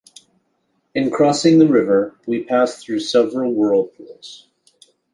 In crossing the river we passed through several whirlpools.